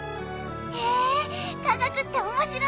へえ科学って面白い！